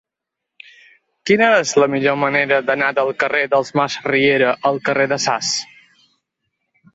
Quina és la millor manera d'anar del carrer dels Masriera al carrer de Sas?